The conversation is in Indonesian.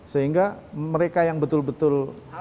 sehingga mereka yang betul betul